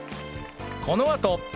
このあと